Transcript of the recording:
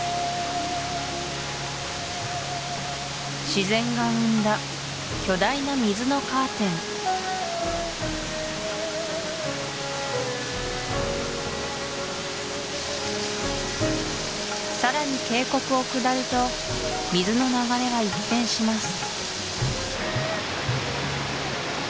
自然が生んだ巨大な水のカーテンさらに渓谷を下ると水の流れは一変します